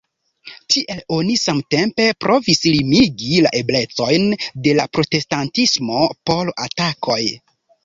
Tiel oni samtempe provis limigi la eblecojn de la protestantismo por atakoj.